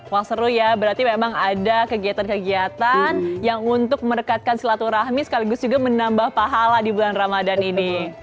wah seru ya berarti memang ada kegiatan kegiatan yang untuk merekatkan silaturahmi sekaligus juga menambah pahala di bulan ramadan ini